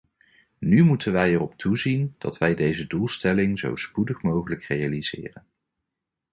Nu moeten wij erop toezien dat wij deze doelstelling zo spoedig mogelijk realiseren.